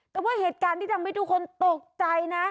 แต่ว่าเหตุการณ์ที่ทำให้ทุกคนตกใจนะ